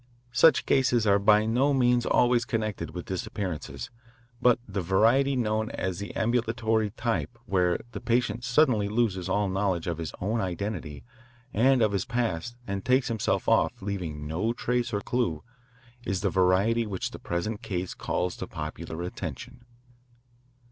Such cases are by no means always connected with disappearances, but the variety known as the ambulatory type, where the patient suddenly loses all knowledge of his own identity and of his past and takes himself off, leaving no trace or clue, is the variety which the present case calls to popular attention.